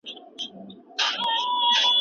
استاد باید له شاګرد سره د مشر په څېر وي.